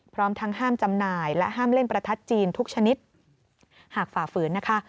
พร้อมทั้งห้ามจำหน่ายและห้ามเล่นประทัดจีนทุกชนิดหากฝ่าฝืนนะคะ